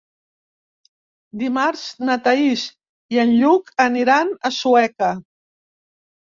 Dimarts na Thaís i en Lluc aniran a Sueca.